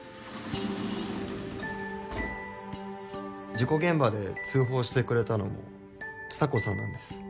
事故現場で通報してくれたのも蔦子さんなんです。